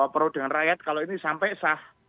pro dengan rakyat kalau ini sampai sah